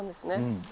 うん。